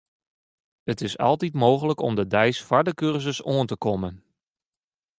It is altyd mooglik om de deis foar de kursus oan te kommen.